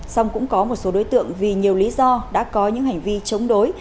xong cũng có một số đối tượng vì nhiều lý do đã có những hành vi chống đối